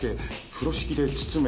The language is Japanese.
風呂敷で包め。